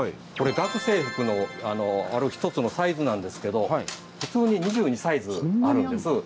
これ学生服のある一つのサイズなんですけど普通に２２サイズあるんです。